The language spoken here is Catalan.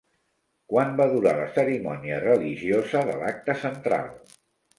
Quan va durar la cerimònia religiosa de l'acte central?